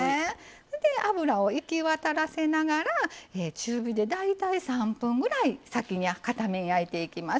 油をいきわたらせながら中火で大体３分くらい先に片面焼いていきます。